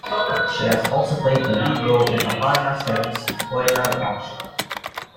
She has also played a lead role in Aparna Sen's "Goynar Baksho".